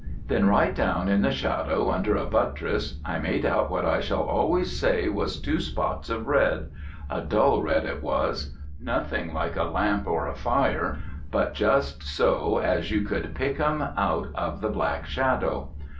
Then right down in the shadow under a buttress I made out what I shall always say was two spots of red a dull red it was nothing like a lamp or a fire, but just so as you could pick 'em out of the black shadow.